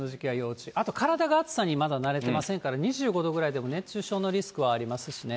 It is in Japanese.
あと体が暑さにまだ慣れてませんから、２５度ぐらいまで熱中症のリスクはありますからね。